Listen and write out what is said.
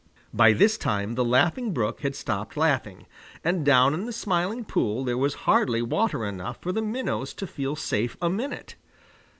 By this time, the Laughing Brook had stopped laughing, and down in the Smiling Pool there was hardly water enough for the minnows to feel safe a minute.